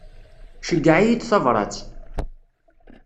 Ceyyeɛ-iyi-d tabrat.